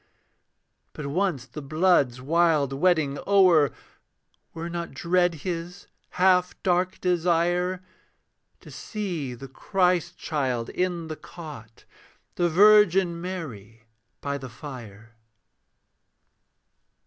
But once the blood's wild wedding o'er, Were not dread his, half dark desire, To see the Christ child in the cot, The Virgin Mary by the fire?